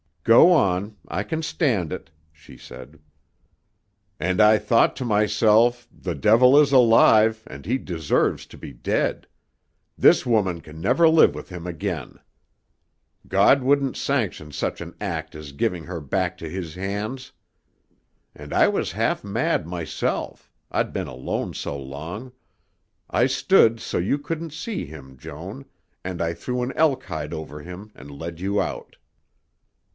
"Go on. I can stand it," she said. "And I thought to myself, 'The devil is alive and he deserves to be dead. This woman can never live with him again. God wouldn't sanction such an act as giving her back to his hands.' And I was half mad myself, I'd been alone so long ... I stood so you couldn't see him, Joan, and I threw an elk hide over him and led you out."